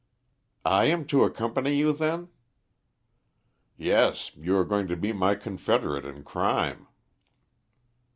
"I am to accompany you, then?" "Yes, you are going to be my confederate in crime."